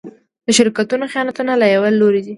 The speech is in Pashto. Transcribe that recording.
د شرکتونو خیانتونه له يوه لوري دي.